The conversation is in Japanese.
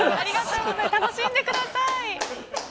楽しんでください。